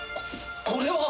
ここれは！